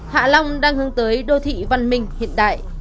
hạ long đang hướng tới đô thị văn minh hiện đại